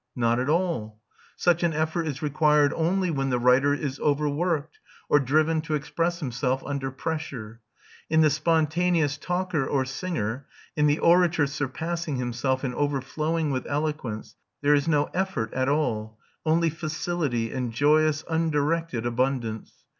Not at all: such an effort is required only when the writer is overworked, or driven to express himself under pressure; in the spontaneous talker or singer, in the orator surpassing himself and overflowing with eloquence, there is no effort at all; only facility, and joyous undirected abundance.